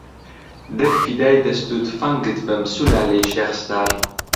دەک فیدای دەست و تفەنگت بم سولالەی شێخ ستار